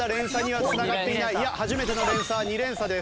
いや初めての連鎖は２連鎖です。